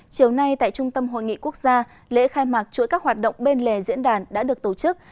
chiều nay tại trung tâm hội nghị quốc gia lễ khai mạc chuỗi các hoạt động bên lề diễn đàn đã được tổ chức